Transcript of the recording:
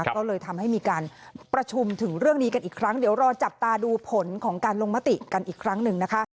ก็เลยทำให้มีการประชุมถึงเรื่องนี้กันอีกครั้งเดี๋ยวรอจับตาดูผลของการลงมติกันอีกครั้งหนึ่งนะคะ